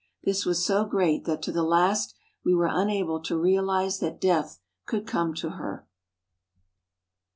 This was so great that to the last we were unable to realise that death could come to her."